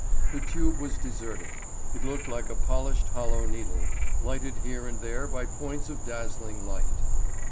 The tube was deserted. It looked like a polished, hollow needle, lighted here and there by points of dazzling light.